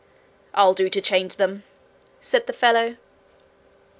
'I'll do to change them,' said the fellow.